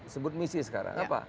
sebut misi sekarang